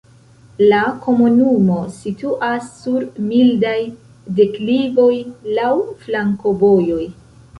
La komunumo situas sur mildaj deklivoj, laŭ flankovojoj.